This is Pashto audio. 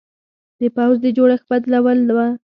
د پوځ د جوړښت بدلول و.